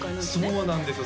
そうなんですよ